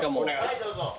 はいどうぞ。